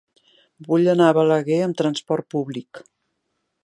Vull anar a Balaguer amb trasport públic.